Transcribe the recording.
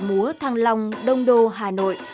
múa thăng long đông đô hà nội